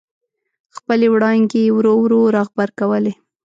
خپلې وړانګې یې ورو ورو را غبرګولې.